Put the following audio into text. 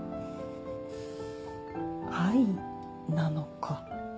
愛なのか？